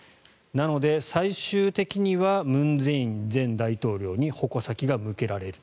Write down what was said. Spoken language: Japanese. なので、最終的には文在寅前大統領に矛先が向けられる。